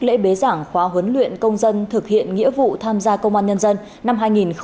lễ bế giảng khóa huấn luyện công dân thực hiện nghĩa vụ tham gia công an nhân dân năm hai nghìn hai mươi